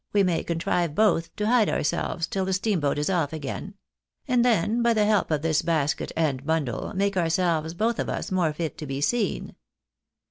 305 we may contrive both to hide ourselves till the steamlDoat is of£ again ; and then, by the help of this basket and bundle, make ourselves, both of us, more fit to be seen.